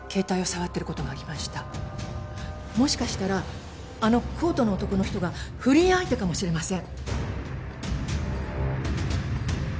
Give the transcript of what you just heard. もしかしたらあのコートの男の人が不倫相手かもしれません。